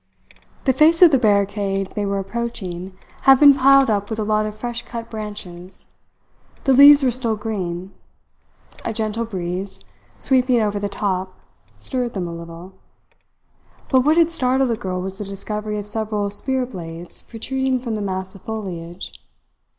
The face of the barricade they were approaching had been piled up with a lot of fresh cut branches. The leaves were still green. A gentle breeze, sweeping over the top, stirred them a little; but what had startled the girl was the discovery of several spear blades protruding from the mass of foliage.